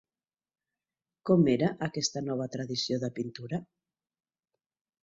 Com era aquesta nova tradició de pintura?